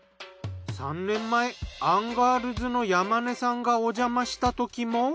３年前アンガールズの山根さんがおじゃましたときも。